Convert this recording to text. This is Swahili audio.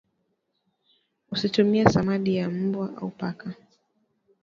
Usitumie samadi ya mbwa au paka